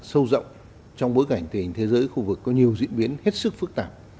sâu rộng trong bối cảnh thế giới khu vực có nhiều diễn biến hết sức phức tạp